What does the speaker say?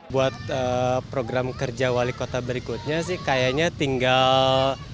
buat program kerja wali kota berikutnya sih kayaknya tinggal